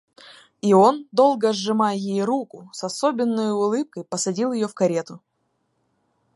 И он, долго сжимая ей руку, с особенною улыбкой посадил ее в карету.